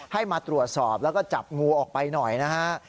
ให้มาตรวจสอบแล้วก็จับงูออกไปหน่อยนะฮะ